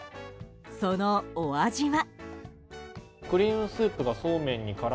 そのお味は。